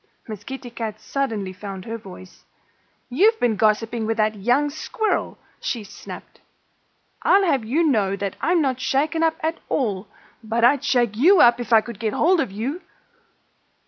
Miss Kitty Cat suddenly found her voice. "You've been gossiping with that young squirrel!" she snapped. "I'll have you know that I'm not shaken up at all. But I'd shake you up if I could get hold of you!"